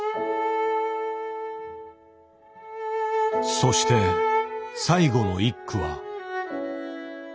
そして最後の１句は。